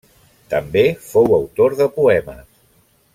També fou autor de poemes.